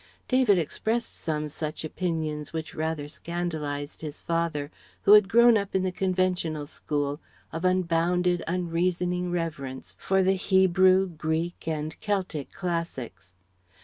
David expressed some such opinions which rather scandalized his father who had grown up in the conventional school of unbounded, unreasoning reverence for the Hebrew, Greek and Keltic classics.